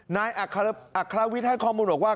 นายอัครวิทย์ให้คอมพิวเมอร์บอกว่า